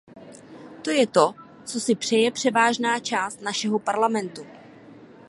To je to, co si přeje převážná část našeho Parlamentu.